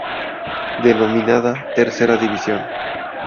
Denominada "Tercera División".